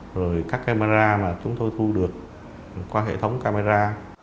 rồi các camera mà chúng tôi thu được qua hệ thống camera